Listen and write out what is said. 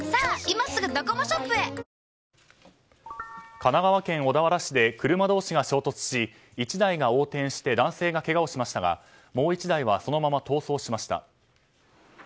神奈川県小田原市で車同士が衝突し１台が横転して男性がけがをしましたがもう１台はそのまま逃走しました。